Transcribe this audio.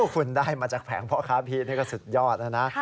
คุณได้มาจากแผงพ่อค้าพีชนี่ก็สุดยอดแล้วนะ